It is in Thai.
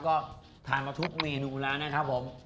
ก็ทานมาทุกเมนูแล้วนะครับผม